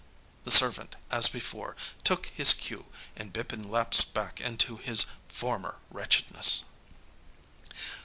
The servant, as before, took his cue, and Bipin lapsed back into his former wretchedness.